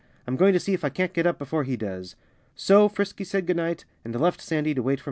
"I'm going to see if I can't get up before he does." So Frisky said good night and left Sandy to wait for Mr. Crow alone.